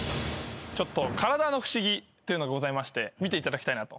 体の不思議っていうのがございまして見ていただきたいなと。